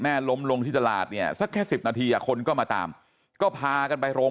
ล้มลงที่ตลาดเนี่ยสักแค่๑๐นาทีคนก็มาตามก็พากันไปโรง